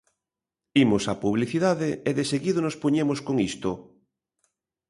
Imos a publicidade e deseguido nos poñemos con isto...